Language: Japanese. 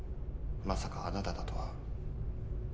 まさかあなただとは。